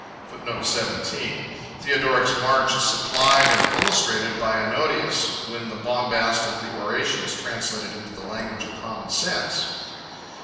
17 17 (return) [ Theodoric's march is supplied and illustrated by Ennodius, (p. 1598—1602,) when the bombast of the oration is translated into the language of common sense.